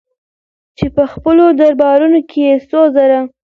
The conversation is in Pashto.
چې په خپلو دربارونو کې يې څو زره